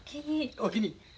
おおきに。